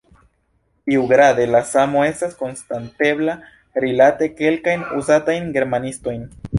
Iugrade la samo estas konstatebla rilate kelkajn uzatajn germanismojn.